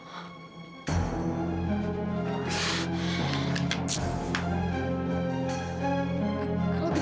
aku harus keluar dari sini